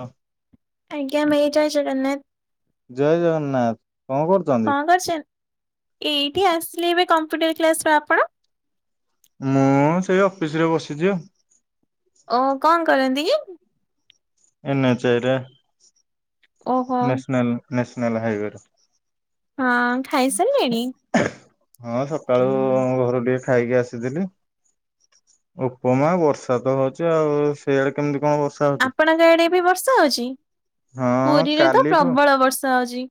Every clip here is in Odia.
ହଁ ଆଜ୍ଞା ଭାଇ, ଜୟ ଜଗନ୍ନାଥ। ଜୟ ଜଗନ୍ନାଥ, କଣ କରୁଛ? ଭଲ ଅଛ, ଏଇଠି ଆସିଲି ଏବେ କମ୍ପୁଟର କ୍ଲାସ ରୁ, ଆପଣ? ମୁଁ ସେଇ ଅଫିସ ରେ ବସିଛି ଆଉ ଓ କଣ କରନ୍ତି କି? ଏନ୍ଚଆଇରେ, ଓହୋ ନସନଲ ନାସନଲ ହାଇୱେ ର ହଁ ଖାଇ ସାରିଲେଣି? ହଁ ସକାଳୁ ଘରୁ ଟିକେ ଖାଇକି ଆସିଥିଲି। ଉପମା, ବର୍ଷା ତ ହଉଛି ଆଉ ସେଇଆଡେ କେମିତି କଣ ବର୍ଷା? ହଉଛି? ଆପଣଙ୍କ ଆଡେ ଏବେ ବର୍ଷା ହଉଛି? ହଁ ପୁରୀରେ ତ କାଲିଠୁ ପ୍ରବଳ ବର୍ଷା ହଉଛି।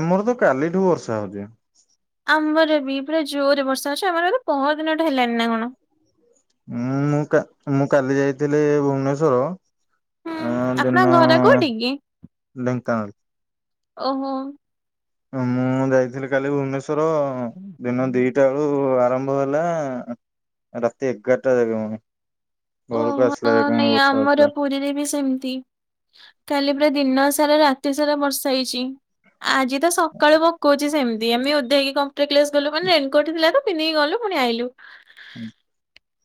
ଆମର ତ କାଲିଠୁ ବର୍ଷା ହଉଛି। ଆମର ବି ପୁରା ଜୋରରେ ବର୍ଷା ଅଛି, ଆମର ପହର ଦିନଠୁ ହେଲାନି ନା କଣ? ହଁ ମୁଁ ମୁଁ କାଲି ଯାଇଥିଲି ଭୁବନେଶ୍ୱର ହୁଁ ଆପଣ ଘରେ କୋଉଠି କି? ଢେଙ୍କାନାଳ ଓହୋ ମୁଁ ଯାଇଥିଲି କାଲି ଭୁବନେଶ୍ଵର ଦିନ ଦିଟା ରୁ ଆରମ୍ଭ ହେଲା, ରାତି ଏଗାରଟା [unintelligible] ଓ ଘରକୁ ଆସିଲା ଯାଏ କଣ ନାଇଁ ବର୍ଷା ହଉଥିଲା। ଆମର ପୁରୀରେ ବି ସେମିତି କାଲି ପୁରା ଦିନ ସାରା, ରାତି ସାରା ବର୍ଷା ହେଇଛି। ଆଜି ତ ସକାଳୁ ପକଉଛି ସେମିତି, ଆମେ ଓଦାହେଇକି କମ୍ପୁଟର କ୍ଲାସ ଗଲୁ ମାନେ ରେନକୋଟ ଥିଲା ତ ପି ନେଇ ଗଲୁ ପୁଣି ଆଇଲୁ। ହୁଁ।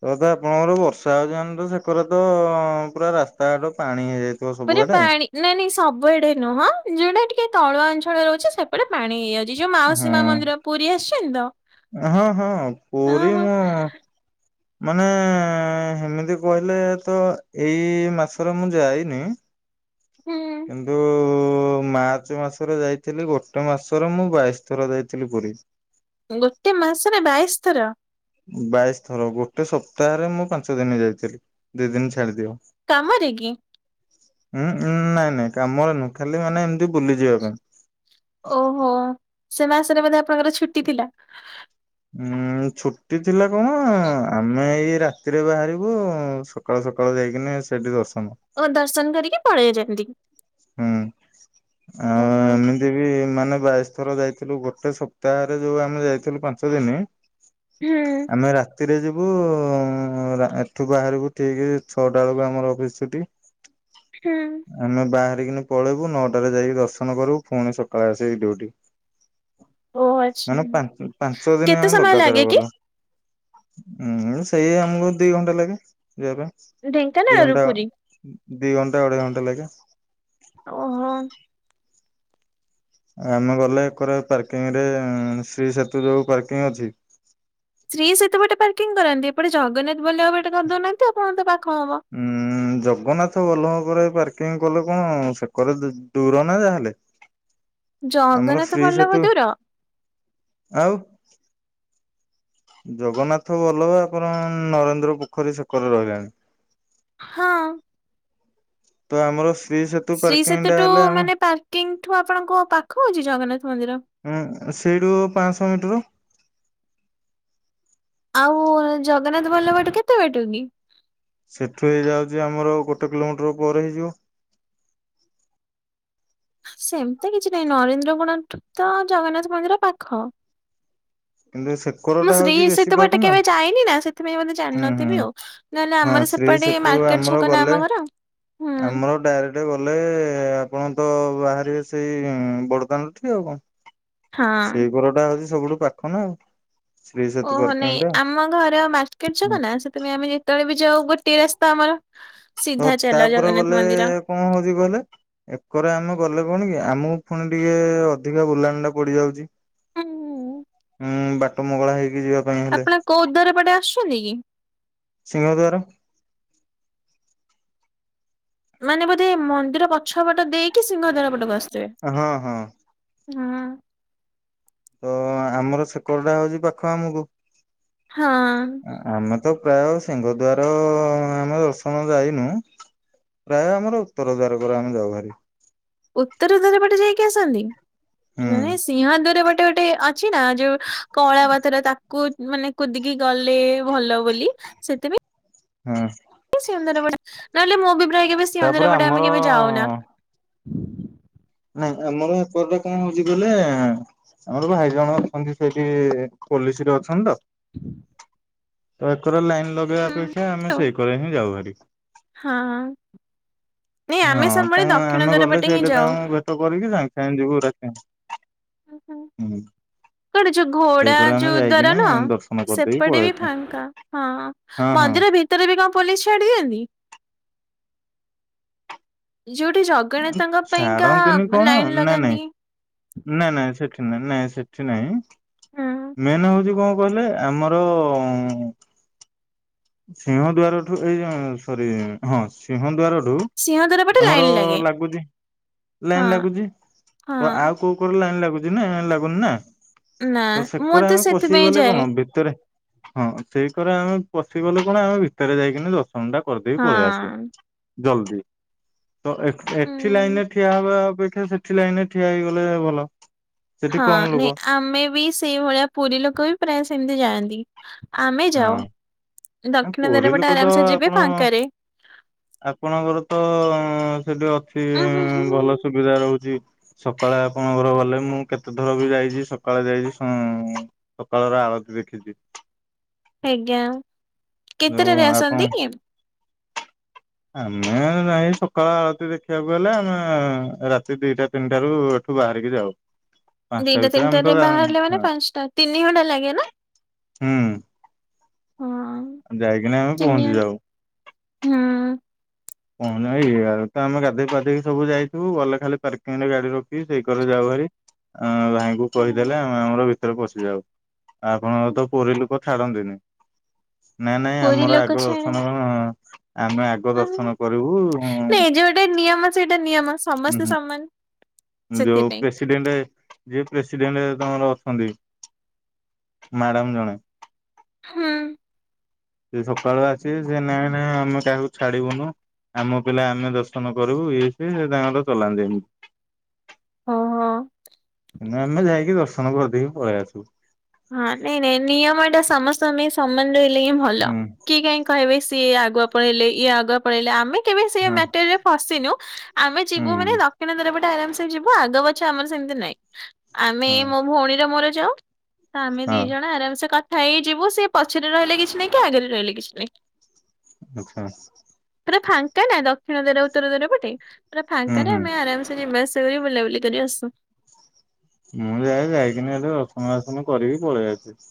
ତ ତ ଆପଣଙ୍କର ବର୍ଷା ହଉଛି ମାନେ ତ ସେକରେ ତ ପୁରା ରାସ୍ତାଘାଟ ପାଣି ହେଇଯାଇ ପୁରା ପାଣି ନାଇଁ ନାଇଁ ସବୁଆଡେ ନୁହଁ ଯୋଉଟା ଟିକେ ତଳୁଆ ଅଞ୍ଚଳରେ ରହୁଛି ସେ ପଟେ ପାଣି ହେଇଯାଉଛି ଯୋଉ ହଁ ମାଉସୀମା ମନ୍ଦିର ପୁରୀ ଆସିଛନ୍ତି ତ? ହଁ ହଁ ହଁ ପୁରୀ ହଁ ମୁଁ ମାନେ ସେମିତି କହିଲେ ତ ଏଇ ମାସରେ ମୁଁ ଯାଇନି। ହୁଁ କିନ୍ତୁ ମାର୍ଚ୍ଚ ମାସରେ ଯାଇଥିଲି ଗୋଟେ ମାସରେ ମୁଁ ବାଇଶ ଥର ଯାଇଥିଲି ପୁରୀ। ଗୋଟେ ମାସ ନା ବାଇଶ ଥର? ବାଇଶ ଥର ଗୋଟେ ସପ୍ତାହରେ ମୁଁ ପାଞ୍ଚ ଦିନ ଯାଇଥିଲି ଦି ଦିନ ଛାଡି ଦିଅ। କାମରେ କି? ହୁଁ ନାଇଁ ନାଇଁ କାମରେ ନୁହଁ ଖାଲି ମାନେ ଏମିତି ବୁଲିଯିବା ପାଇଁ। ଓହୋ ସେ ମାସରେ ବୋଧେ ଆପଣଙ୍କର ଛୁଟି ଥିଲା। ଉଁ ଛୁଟି ଥିଲା କଣ ଆମେ ଏଇ ରାତିରେ ବାହାରିବୁ। ସକାଳୁ ସକାଳୁ ଯାଇକିନି ସେଇଠି ଦର୍ଶନ। ଓ ଦର୍ଶନ କରିକି ପଳେଇଚନ୍ତି। ହୁଁ ଆ ତି ବି ମାନେ ବାଇଶ ଥର ଯାଇଥିଲୁ ଗୋଟେ ସପ୍ତାହରେ ଯୋଉ ଆମେ ଯାଇଥିଲୁ ପାଞ୍ଚ ଦିନ। ହୁଁ। ଆମେ ରାତିରେ ଯିବୁ ଏଠୁ ବାହାରିବୁ ଠିକ ଛଅଟା ବେଳକୁ ଆମର ଅଫିସ୍ ଛୁଟି। ହୁଁ। ଆମେ ବାହାରିକିନି ପଳେଇବୁ ନଅଟାରେ ଯାଇକି ଦର୍ଶନ କରିବୁ ପୁଣି ସକାଳେ ଆସିକି ଡ୍ୟୁଟି। ଓ ଆଚ୍ଛା ମାନେ ପାଞ୍ଚ ଦିନ କେତେ ଆମେ ସମୟ ଲଗାତାର ଲାଗେ କି? ଗଲୁ। ହୁଁ ସେଇ ଆମକୁ ଦି ଘଣ୍ଟା ଲାଗେ ଯିବା ପାଇଁ। ଦି ଢେଙ୍କାନାଳରୁ ଘଣ୍ଟା ପୁରୀ ଦି ଘଣ୍ଟା ଅଢ଼େଇ ଘଣ୍ଟା ଲାଗେ। ଓହୋ। ଆମେ ଗଲେ ଏକରେ ପାର୍କିଂ ରେ ଶ୍ରୀ ସେତୁ ଯୋଉ ପାର୍କିଂ ଅଛି। ଶ୍ରୀ ସହିତ ଗୋଟେ ପାର୍କିଂ କରନ୍ତି ଏପଟେ ଜଗନ୍ନାଥ ଭଲ ହବ ଗୋଟେ ଗାଧଉନାହାନ୍ତି ଆପଣଙ୍କ ତ ପାଖ ହବ? ଉଁ ଜଗନ୍ନାଥ ବଲ୍ଲଭପରେ ପାର୍କିଂ କଲେ କଣ ସେକରେ ଦୂର ନା ଯାହାହେଲେ। ଆମର ଜଗନ୍ନାଥ ଫ୍ରି ବଲ୍ଲଭ ସେତୁ ଦୂର ଆଉ ଜଗନ୍ନାଥ ବଲ୍ଲଭ ଆପଣ ନରେନ୍ଦ୍ର ପୋଖରୀ ସେକରେ ରହିଲାଣି। ହଁ। ତ ଆମର ଶ୍ରୀ ସେ ଶ୍ରୀ ସେତୁଠୁ ମାନେ ପାର୍କିଂଠୁ ଆପଣଙ୍କ ପାଖ ଅଛି ଜଗନ୍ନାଥ ମନ୍ଦିର? ହଁ ସେଇଠୁ ପା ଶହ ମିଟର। ଆଉ ଜଗନ୍ନାଥ ବଲ୍ଲଭ ଏଠୁ କେତେ ବାଟ କି? ସେଠୁ ହେଇଯାଉଛି ଆମର ଗୋଟେ କିଲୋମିଟର ପରେ ହେଇଯିବ। ସେମିତି କିଛି ନାହିଁ ନରେନ୍ଦ୍ର ଗୋଡଠୁ ତ ଜଗନ୍ନାଥ ମନ୍ଦିର ପାଖ। କିନ୍ତୁ ମୁଁ ସେକରଟା ଶ୍ରୀ ହଉଛି ବେଶୀ ସେତେ ପାଖ ବାଟ ନା କେବେ ଯାଇନି ନା ସେଥି ମତେ ହୁଁ ହୁଁ ଜାଣିନଥିବି ଆଉ ନହେଲେ ହଁ ଆମର ଶ୍ରୀ ସେପଟେ ସେତୁ ମାର୍କେଟ ଆମର ଛକ ନା ଆମ ଘର ହୁଁ। ସେପଟେ ଗଲେ ଆପଣ ତ ବାହାରିବେ ସେଇ ବଡ଼ଦାଣ୍ଡ ଠି ଆଉ କଣ? ହଁ। ସେଇ ଘରଟା ହଉଛି ସବୁଠୁ ପାଖ ନା ଆଉ? ଶ୍ରୀ ସେତୁ ଓହୋ ପାର୍କିଂ ନାଇଁ ଟା ଆମ ଘର ମାର୍କେଟର ଛକ ନା ସେ ତମ ଆମେ ଯେତେବେଳେ ବି ଯାଉ ଗୋଟେ ରାସ୍ତା ଆମର। ତ ସିଧା ଚାଲ ତାପରେ ଜଗନ୍ନାଥ ଗଲେ ମନ୍ଦିର କଣ ହଉଛି କହିଲେ ଏକର ଆମେ ଗଲେ କଣ କି ଆମକୁ ପୁଣି ଟିକେ ଅଧିକା ବୁଲାଣି ଟା ପଡିଯାଉଚି। ହୁଁ ବାଟ ମଙ୍ଗଳା ହେଇକି ଯିବା ପାଇଁ ହେଲେ ଆପଣ କୋଉ ଉଦର ପଟେ ଆସୁଛନ୍ତି କି? ସିଂହଦ୍ଵାର। ମାନେ ବୋଧେ ମନ୍ଦିର ପଛ ପଟ ଦେଇକି ସିଂହଦ୍ୱାର ପଟକୁ ଆସୁଥିବେ। ହଁ ହଁ। ହଁ। ତ ଆମର ସେକଡଟା ହଉଚି ପାଖ ଆମୁକୁ ହଁ। ଆ-ଆମେ ତ ପ୍ରାୟ ସିଂହଦ୍ୱାର ଆମେ ଦର୍ଶନ ଯାଇନୁ ପ୍ରାୟ ଆମର ଉତ୍ତର ଦ୍ୱାରକରେ ଆମେ ଯାଉ ଭାରି। ଉତ୍ତର ଦ୍ୱାର ପଟେ ଯାଇକି ଆସନ୍ତି, ହୁଁ ନାଇଁ ସିଂହଦ୍ୱାର ପ ଟେ ଗୋଟେ ଅଛି ନା ଯୋଉ କଳା ପଥର, ତା କୁ ମାନେ କୁଦିକି ଗଲେ ଭଲ ବୋଲି ସେଥିପାଇଁ ହଁ। ସିଂହଦ୍ୱାର ପଟେ ନହେଲେ ମୁଁ ବି ପ୍ରାୟେ କେବେ ତାପରେ ସିଂହଦ୍ୱାର ପଟେ ଆମର ଆମେ କେବେ ଯାଉନା। ନାଇଁ ଆମର ଏପଟେ କଁ ହଉଚି କହିଲେ ଆମର ଭାଇ ଜଣେ ଅଛନ୍ତି ସେଠି ପୋଲିସ ରେ ଅଛନ୍ତି ତ। ହୁଁ ତ ଏକରେ ଲାଇନ୍ ଲଗେଇବା ଅପେକ୍ଷା ଆମେ ହୁଁ ସେଇକରେ ହିଁ ଯାଉ ହାରି। ହଁ ନାଇଁ ହଁ ଆମେ ସବୁବେଳେ ଦକ୍ଷିଣ ଦ୍ୱାର ପଟେ ହିଁ ଯାଉ। ଅଟୋ କରିକି ସାଙ୍ଗେ ସାଙ୍ଗେ ଯିବୁ [unintelligible] ହୁଁ। ଏପଟେ ଯୋଉ ଘୋଡା ସେଇକରେ ଆମେ ଯୋଉ ଦ୍ୱାର ଯାଇକିନି ନୁହଁ ଦର୍ଶନ କରିଦେଇକି ସେପଟେ ପଳେଇ ବି ଆସୁ ଫାଙ୍କା, ହଁ ହଁ ହଁ ମନ୍ଦିର ଭି ତରେ ବି କଁ ପୋଲିସ ଛାଡ଼ି ଦିଅନ୍ତି? ଯୋଉଠି ଜଗନ୍ନାଥଙ୍କ ପାଇଁକା ଛାଡନ୍ତିନି କଣ ଲାଇନ୍ ଲଗାନ୍ତି? ନା ନା ସେଠି ନାଇଁ, ନାଇଁ ସେଠି ନାଇଁ। ହୁଁ। ମେନ୍ ହଉଛି କଁ କହିଲେ ଆମର ସିଂହ ଦୁଆର ଠୁ ଏଇ ଯୋଉଁ ସରି ହଁ ସିଂହ ଦୁଆରରୁ ସିଂହଦ୍ୱାର ପଟେ ଆମର ଲାଇନ ଲାଗେ ଲାଗୁଚି ହଁ ଲାଇନ୍ ଲାଗୁଚି, ହଁ ତ ଆଉ କୋଉ କରେ ଲାଇନ୍ ଲାଗୁଚି ନା ଲାଗୁନି ନା, ନା ତ ମୁଁ ସେକରେ ତ ଆମେ ପଶିକି ସେଥିପାଇଁ ଗଲେ ଯାଏ। କଣ ବେ ଭିତରେ ହଁ ସେଇକରେ ଆମେ ପଶିଗଲୁ କଣ ଆମେ ଭିତରେ ଯାଇକିନି ଦ ର୍ଶନ ଟା କରିଦେଇକି ପଳେଇ ଆସୁ ହଁ ଜଲ୍ଦୀ। ତ ଏଠ ଏଠି ହୁଁ। ଲାଇନରେ ଠିଆ ହବା ଅପେକ୍ଷା ସେଠି ଲାଇନରେ ଠିଆ ହେଇଗଲେ ଭଲ। ସେଠି ହଁ କମ ନାଇ ଲୋକ ଆମେ ବି ସେଇ ଭଳିଆ ପୁରୀ ଲୋକ ବି ପ୍ରାୟ ସେମତି ଯାଆନ୍ତି। ଆମେ ଯାଉ, ହଁ ନା ଦକ୍ଷିଣ ପୁରୀ ଦ୍ୱାର ପଟେ ଲୋକ ତ ଆରାମସେ ଯିବେ ଆପଣ ଫାଙ୍କାରେ। ଆପଣଙ୍କର ତ ଉଁ ସେଠି ଉଁ ଅଛି ଭଲ ସୁବିଧା ରହୁଚି। ସକାଳେ ଆପଣଙ୍କର ଗଲେ ମୁଁ କେତେଥର ବି ଯାଇଛି ସକାଳେ ଯାଇଛି ସଅଁ ସକାଳର ଆଳତି ଦେଖିଛି। ଆଜ୍ଞା ଯୋଉ କେତେଟାରେ ଆପଣ ଆସନ୍ତି କି? [inaudible] ଆମେ ଯାଇଁ ସକାଳ ଆଳତି ଦେଖିବାକୁ ଗଲେ ଆମେ ରାତି ଦିଟା ତିନିଟାରୁ ଏଠୁ ବାହାରିକି ଯାଉ। ପାଞ୍ଚଟା ଦିଟା ଭିତରେ ଆମେ ତ ତିନିଟାରେ ବାହାରିଲେ ମାନେ ପାଞ୍ଚଟା, ତିନି ଘଣ୍ଟା ଲାଗେ ନା। ହୁଁ ହଁ। ଯାଇକିନା ଆମେ ତିନି ପହଞ୍ଚି ଘଣ୍ଟା ଯାଉ। ହୁଁ। କଣ ନା କି ଇଆଡୁ ତ ଆମେ ଗାଧୋଇ ପାଧେଇକି ସବୁ ଯାଇଥିବୁ ଗଲେ ଖାଲି ପାର୍କିଂ ରେ ଗାଡି ରଖିକି ସେଇ କରେ ଯାଉ ଭାରି। ଆମ ଭାଇ କୁ କହିଦେଲେ ଆମେ ଆମର ଭିତରେ ପଶିଯାଉ, ଆପଣଙ୍କ ହଁ ତ ପୁରୀ ଲୋକ ଛାଡନ୍ତିନି। ନାଇଁ ନାଇଁ ପୁରୀ ଆମର ଲୋକ ଆଗ ଛାଡେ ଦର୍ଶନ କଁ ଆମେ ଆଗ ହୁଁ ଦର୍ଶନ କରିବୁ ଉଁ ନାଇଁ ଯୋଉଟା ନିୟମ ସେଇଟା ନିୟମ ସମସ୍ତେ ହୁଁ ସମାନ ଯୋଉ ସେଥିପାଇଁ। ପ୍ରେସିଡେଣ୍ଟ ଯିଏ ପ୍ରେସିଡେଣ୍ଟ ତମର ଅଛନ୍ତି ମ୍ୟାଡମ ଜଣେ। ହୁଁ। ସିଏ ସକାଳୁ ଆସିବେ ସିଏ ନାଇଁ ନାଇଁ ଆମେ କାହାକୁ ଛାଡିବୁନୁ। ଆମ ପିଲା ଆମେ ଦର୍ଶନ କରିବୁ ଇଏ ସିଏ ସେ ତାଙ୍କର ଚଲାନ୍ତି ଏମିତି। ଓ ହୋ। ଆମେ ଯାଇକି ଦର୍ଶନ କରିଦେଇକି ପଳେଇ ଆସିବୁ। ହଁ ନାଇଁ ନାଇଁ ନିୟମ ଟା ସମସ୍ତଙ୍କ ପାଇଁ ସମାନ ରହିଲେ ହିଁ ଭଲ। ହୁଁ କିଏ କାଇଁ କହିବେ ସେ ସିଏ ଆଗୁଆ ପଢେଇଲେ ଇଏ ଆଗୁଆ ପଢେଇଲେ। ଆମେ କେବେ ସେ ହଁ ମ୍ୟାଟରରେ ଫସିନୁ। ଆମେ ଯିବୁ ମାନେ ହୁଁ ଦକ୍ଷିଣ ଦ୍ୱାରପଟେ ଆରାମସେ ଯିବୁ? ଆଗ ପଛ ଆମର ସେମିତି ନାଇଁ। ଆମେ ହଁ। ମୋ ଭଉଣୀର ମୋର ଯାଉ। ତ ଆମେ ଦି ହଁ ଜଣ ଆରାମସେ କ କଥା ହେଇ ଯିବୁ ସିଏ ପଛରେ ରହିଲେ କିଛି ନାଇଁ। କି ଆଗରେ ରହିଲେ କିଛି ନାଇଁ। ଆଚ୍ଛା। ପୁରା ଫାଙ୍କା ନା ଦକ୍ଷିଣ ଦ୍ଵାର ଉତ୍ତର ଦ୍ଵାର ପଟେ। ପୁରା ହୁଁ ଫାଙ୍କାରେ ହୁଁ ଆମେ ଆରାମସେ ଯିବା ଆସିବା ଏଇ ବୁଲାବୁଲି କରି ଆସୁ। ମୁଁ ଯାଏ ଯାଇକିନି ହେଟି ରସନ ବାସନ କରିକି ପଳେଇ ଆସେ।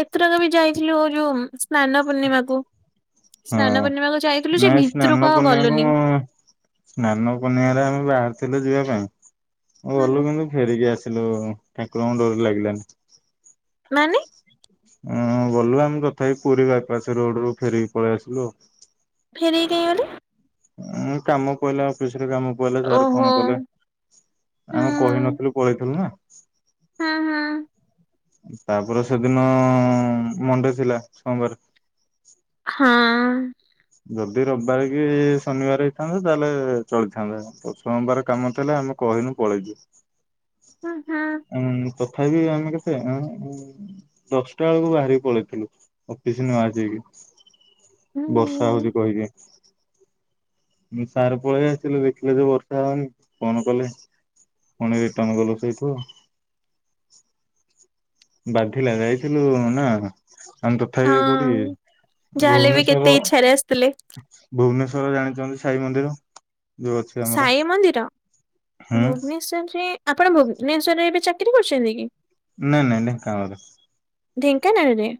ଏଥରକ ବି ଯାଇଥିଲୁ ଏଇ ଯୋଉ ସ୍ନାନ ପୂର୍ଣ୍ଣିମାକୁ ହଁ ସ୍ନାନ ପୂର୍ଣ୍ଣିମାକୁ ଯାଇଥିଲୁ ଯେ ନାଇଁ ସ୍ନାନ ଭିତରୁ କଣ ପୂର୍ଣ୍ଣିମାକୁ ଗଲୁନି। ସ୍ନାନ ପୂର୍ଣ୍ଣିମାରେ ଆମେ ବାହାରିଥିଲୁ ଯିବା ପାଇଁ। ଗଲୁ ହୁଁ କିନ୍ତୁ ଫେରିକି ଆସିଲୁ ଠାକୁରଙ୍କ ଡୋରି ଲାଗିଲାନି। ମାନେ? ହଁ ଗଲୁ ଆମେ କଥା ହେଇ ପୁରୀ ବାଇପାସ୍ ରୋଡ଼ ରୁ ଫେରିକି ପଳେଇ ଆସିଲୁ ଆଉ। ଫେରିକି କାଇଁ ଗଲେ? ଉଁ କାମ ପଇଲା ଅଫିସ ରେ କାମ ପାଇଲା ସାର ଓହୋ ଫୋନ କଲେ। ହୁଁ ଆମେ କହିନଥିଲୁ ପଳେଇଥିଲୁ ନା। ହଁ ହଁ। ତାପରେ ସେଦିନ ମଣ୍ଡେ ଥିଲା ସୋମବାର। ହଁ। ଯଦି ରବିବାର କି ଶନିବାର ହେଇଥାନ୍ତା ତାହେଲେ ଚଳିଥାନ୍ତା। ତ ସୋମବାର କାମ ଥିଲା ଆମେ କହିନୁ ପଳେଇଚୁ? ହଁ ହଁ। ଉଁ ତଥାପି ଆମେ କେତେ ଆଉ ଦଶଟା ବେଳକୁ ବାହାରିକି ପଳେଇଥିଲୁ ଅଫିସ ନଆସିକି। ହୁଁ ବର୍ଷା ହଉଛି କହିକି? ମୁଁ ସାର୍ ପଳେଇ ଆସିଲେ ଦେଖିଲେ ଯେ ବର୍ଷା ହଉନି ଫୋନ୍ କଲେ। ପୁଣି ଏଇ ଟଙ୍ଗ ବସେଇଥିବ। ବାଧିଲା ଯାଇଥିଲୁ ନା। ଆମେ ତଥାବି କୋଉଠି ହଁ। ଯାହାହେଲେ ବି କେତେ ଭୁବନେଶ୍ଵର ଆଛା ଇଚ୍ଛାରେ ଆସିଥିଲେ ଭୁବନେଶ୍ଵର ଜାଣିଚନ୍ତି ସାଇ ମନ୍ଦିର। ଯୋଉ ଅଛି ଆମର ସାଇ ମନ୍ଦିର ହୁଁ ଭୁବନେଶ୍ଵରରେ ଆପଣ ଭୁବନେଶ୍ଵରରେ ଏବେ ଚାକିରି କରୁଚନ୍ତି କି? ନାଇଁ ନାଇଁ ଢେଙ୍କାନାଳରେ। ଢେଙ୍କାନାଳରେ?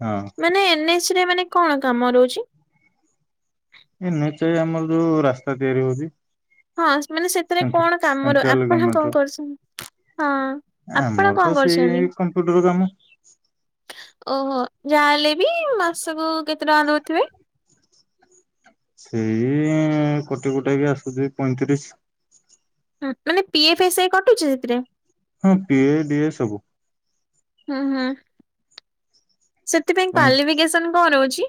ହଁ। ମାନେ ଏନ୍ଏସ୍ ରେ ମାନେ କଣ କାମ ରହୁଚି? ଏନ ଏଚ ଆମର ଯଉ ରାସ୍ତା ତିଆରିି ହଉଚି। ହଁ ମାନେ ସେଥିରେ କଣ କାମ ର ସେଣ୍ଟ୍ରାଲ ଆପଣ ଗଭର୍ଣମେଣ୍ଟ କଣ ର କରୁଚନ୍ତି? ହଁ ଆପଣ ଆମର କଣ ତ ସେଇ କରୁଚନ୍ତି? କମ୍ପ୍ୟୁଟର କାମ ଓହୋ ଯାହା ହେଲେ ବି ମାସକୁ କେତେ ଟଙ୍କା ଦଉଥିବେ। ସେଇ କଟି କୁଟାକି ଆସୁଚି ପଇଁତିରିଶ। ହଁ ମାନେ ପିଏଫ ଏସ ଆଇ କଟୁଛି ସେଥିରେ। ହଁ ପିଏପ ଡିଏ ସବୁ। ହୁଁ ହୁଁ। ସେଥିପାଇଁ କ୍ୱାଲିଫିକେସନ କଣ ରହୁଛି?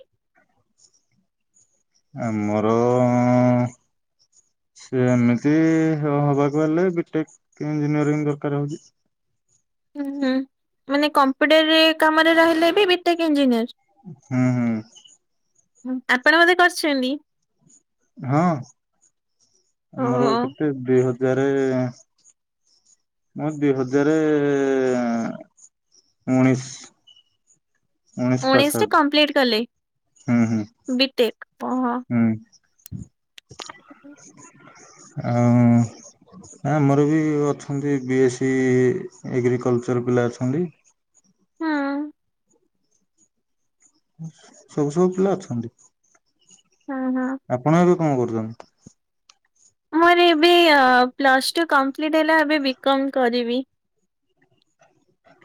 ଆମର ଅଁ- ସେ ଏମିତି ହ-ହବାକୁ ହେଲେ ବିଟେକ୍ ଇଞ୍ଜିନିୟରିଂ ଦରକାର ହଉଛି। ହୁଁ ହୁଁ ମାନେ କମ୍ପ୍ୟୁଟର କାମରେ ରହିଲେ ଏ ବି ବିଟେକ୍ ଇଞ୍ଜିନିୟର? ହୁଁ ହୁଁ। ଆପଣ ବୋଧେ କରିଛନ୍ତି? ହଁ ଆମର ଓହୋ କେତେ ଦୁଇ ହଜାରେ ମୁଁ ଦି ହଜାରେ- ଉଣେଇଶି। ଉଣେଇଶ ରେ କମ୍ପ୍ଲିଟ୍ କଲେ। ହୁଁ ହୁଁ ବିଟେକ୍ ଓହୋ। ହୁଁ। ଆଉ ନା ଆମର ବି ଅଛନ୍ତି ବି ଏସ୍ ସି ଏଗ୍ରିକଲଚର ପିଲା ଅଛନ୍ତି। ହୁଁ। ସବୁ ସବୁ ପିଲା ଅଛନ୍ତି। ହଁ ହଁ। ଆପଣ ଏବେ କଣ କରୁଛନ୍ତି? ମୋର ଏବେ ପ୍ଲସ୍ ଟୁ କମ୍ପ୍ଲିଟ୍ ହେଲା ଏବେ ବିକମ୍ କରିବି।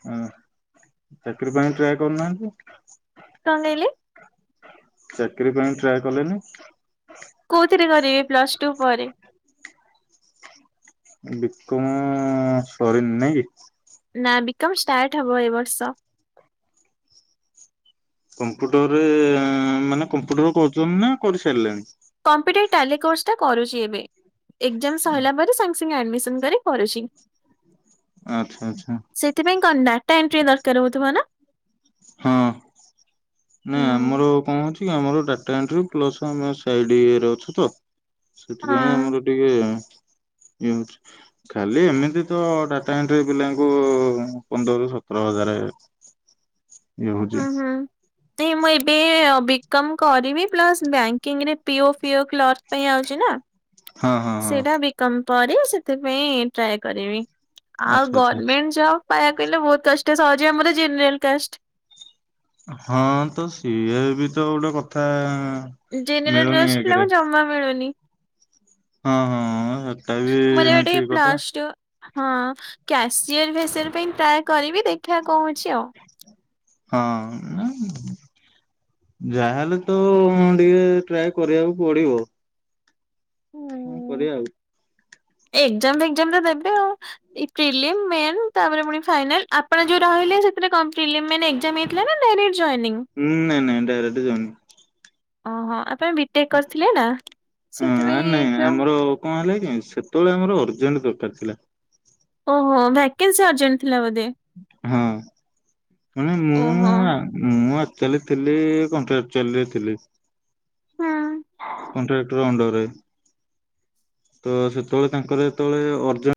ହଁ ଚାକିର ପାଇଁ ଟ୍ରାଏ କରୁନାହାନ୍ତି। କଣ କହିଲେ? ଚାକିରୀ ପାଇଁ ଟ୍ରାଏ କଲେନି। କୋଉଥିରେ କରିବେ ପ୍ଲସ ଟୁ ପରେ? ବିକମ- ସରିନି ନାଇଁ କି? ନା ବିକମ୍ ଷ୍ଟାର୍ଟ ହେବ ଏ ବର୍ଷ। କମ୍ପ୍ୟୁଟରରେ-ମାନେ କମ୍ପ୍ୟୁଟର କରୁଛନ୍ତି ନା କରିସାରିଲେନି? କମ୍ପିଟ ଟାଲୀ କୋର୍ସ ଟା କରୁଛି ଏବେ। ଏକଜାମ୍ ସଇଲା ପରେ ସଙ୍ଗ ଆଡମିସନ କରି କରୁଛି। ଆଚ୍ଛା ଆଚ୍ଛା। ସେଥିପାଇ କଣ ଡାଟା ଏଣ୍ଟ୍ରି ଦରକାର ହଉଥିବା ନା? ହଁ ନା ହଁ ଆମର କଣ ଅଛି କି ଆମର ଡାଟା ଏଣ୍ଟ୍ରି ପ୍ଲସ ଆମ ସାଇଡ ଇଏରେ ଅଛି ତ ସେଥିପାଇଁ ଆମର [unintelligible] ଖାଲି ଏମିତି ତ ଟଡାଟା ଏଣ୍ଟ୍ରି ପିଲାଙ୍କୁ ପନ୍ଦରରୁୁ ସତର ହଜାରେ ହୁଁ ହୁଁ। ନାଇ ମୁଁ ଏବେ ବିକମ କରିବି ପ୍ଲସ୍ ବ୍ୟାଙ୍କିଙ୍ଗ ରେ ପିଓ ଫିଓ କ୍ଲର୍କ ପାଇଁ ଆଉଛି ନା। ହଁ ହଁ ହଁ ସେଇଟା ବିକମ ପରେ ସେଥିପାଇଁ ଟ୍ରାଏ କରିବି। ଆଉ ଆଚ୍ଛା ଆଚ୍ଛା। ଗଭର୍ମେଣ୍ଟ ଜବ ପାଇବାକୁ ହେଲେ ବହୁତ କଷ୍ଟ ସହଜେ ଆମର ଜେନେରାଲ କାଷ୍ଟ। ହଁ ତ ସିଏ- ବି ତ ଗୋଟେ କଥା ଜେନେରାଲ ମିଳୁନି ଲଷ୍ଟ ପିଲା ଏକରେ। ଙ୍କୁ ଜମା ମିଳୁନି। ହଁ ହଁ ସେଟା ବି ମୋର ଗୋଟେ ଠିକ କଥା। ପ୍ଲସ ଟୁ ହଁ କ୍ୟାସିୟର ଫ୍ୟସୀୟର ପାଇଁ ଟ୍ରାଏ କରିବି ଦେଖିବା ହଉଛି ଆଉ। ହଁ। ଯାହାହେଲେ ତ ଟିକେ ଟ୍ରାଏ କରିବାକୁ ପଡିବ। କରିବା ଆଉ। ଏଗଜାମ ଫେକ୍ଜାମ ଟା ଦେବେ ଆଉ। ପ୍ରିଲିମ ମେନ୍ ତାପରେ ଫୁଣି ଫାଇନାଲ ଆପଣ ଯୋଉ ରହିଲେ ସେଥିରେ କଣ ପ୍ରିଲିମ୍ ମେନ୍ ଏକଜାମ୍ ହେଇଥିଲା ନା ଡାଇରେକ୍ଟ ଜଏନିଂ? ହୁଁ ନାଇ ନାଇଁ ଡ଼ାଇରେକ୍ଟ ଜଏନିଙ୍ଗ। ଓହୋ ଆପ ବିଟେକ୍ କରିଥିଲେ ନା ହଁ ସେଥିପାଇଁ ନାଇଁ ଯ ଆମର କଣ ହେଲା କି ସେତେବେଳେ ଆମର ଅର୍ଜେଣ୍ଟ ଦରକାର ଥିଲା। ଓହୋ ଭ୍ୟାକେନ୍ସି ଅର୍ଜେଣ୍ଟ ଥିଲା ବୋଧେ। ହଁ ମାନେ ଓହୋ ମୁଁ ମୁଁ ଆକ୍ଚଲି ଥିଲି କଣ୍ଟ୍ରାକ୍ଚୁଲି ରେ ଥିଲି। ହୁଁ। କଣ୍ଟ୍ରାକ୍ଟର ଅଣ୍ଡର ରେ। ତ ସେତେବେଳେ ତାଙ୍କର ଯେତେବେଳେ ଅଜେଣ୍ଟ